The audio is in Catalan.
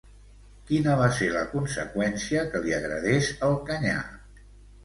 Quina va ser la conseqüència que li agradés el canyar?